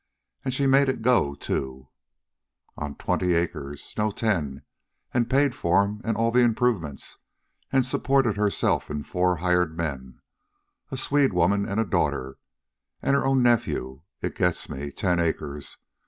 And she made it go, too." "On twenty acres no, ten; and paid for 'em, an' all improvements, an' supported herself, four hired men, a Swede woman an' daughter, an' her own nephew. It gets me. Ten acres!